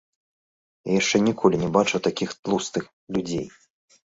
Я яшчэ ніколі не бачыў такіх тлустых людзей.